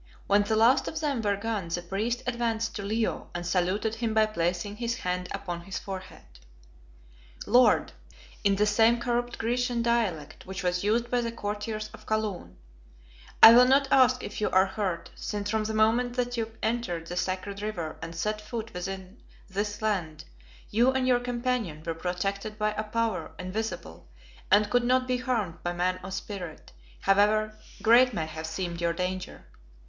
When the last of them were gone the priest advanced to Leo and saluted him by placing his hand upon his forehead. "Lord," he said, in the same corrupt Grecian dialect which was used by the courtiers of Kaloon, "I will not ask if you are hurt, since from the moment that you entered the sacred river and set foot within this land you and your companion were protected by a power invisible and could not be harmed by man or spirit, however great may have seemed your danger.